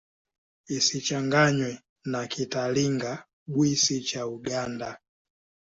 Isichanganywe na Kitalinga-Bwisi cha Uganda.